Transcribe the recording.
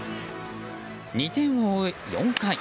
２点を追う４回。